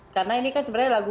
karena ini kan sebenarnya religi